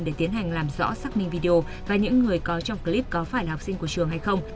để tiến hành làm rõ xác minh video và những người có trong clip có phải là học sinh của trường hay không